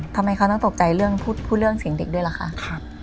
ทำไมเขาต้องตกใจเรื่องพูดเรื่องเสียงเด็กด้วยล่ะคะ